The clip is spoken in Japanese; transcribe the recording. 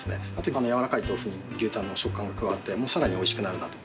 軟らかい豆腐に牛タンの食感が加わってさらにおいしくなる。